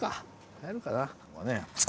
入るかな。